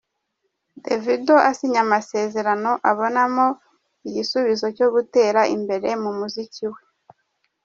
Davido asinya amasezerano abonamo igisubizo cyo gutera imbere mu muziki we.